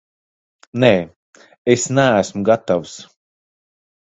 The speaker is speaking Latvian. Nē, es neesmu gatavs.